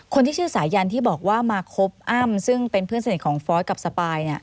คนที่ชื่อสายันที่บอกว่ามาคบอ้ำซึ่งเป็นเพื่อนสนิทของฟอสกับสปาย